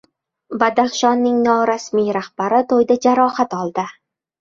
Badaxshonning norasmiy rahbari to‘yda jarohat oldi